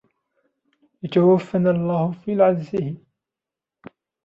يتوفنا الله في العزه.